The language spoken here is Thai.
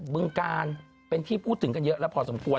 ึงกาลเป็นที่พูดถึงกันเยอะแล้วพอสมควร